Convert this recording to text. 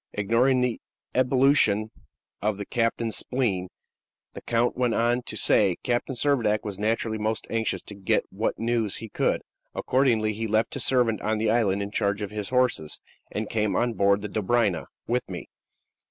Ignoring this ebullition of the captain's spleen, the count went on to say: "Captain Servadac was naturally most anxious to get what news he could. Accordingly, he left his servant on the island in charge of his horses, and came on board the Dobryna with me.